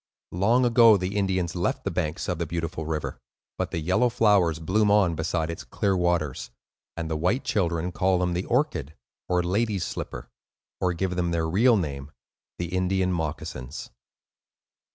Long ago, the Indians left the banks of the beautiful river, but the yellow flowers bloom on beside its clear waters; and the white children call them the "Orchid," or "Lady's Slipper," or give them their real name, the "Indian Moccasins."